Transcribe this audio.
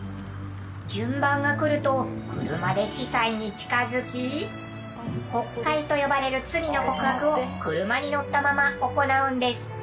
順番が来ると車で司祭に近付き告解と呼ばれる罪の告白を車に乗ったまま行うんです。